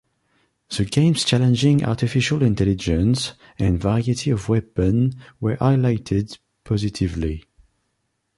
The game's challenging artificial intelligence and variety of weapons were highlighted positively.